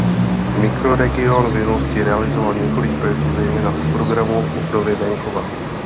Mikroregion v minulosti realizoval několik projektů zejména z Programu obnovy venkova.